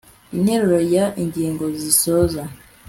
interuro ya ingingo zisoza